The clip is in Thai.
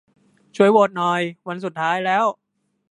ช่วยโหวตหน่อย วันสุดท้ายแล้ว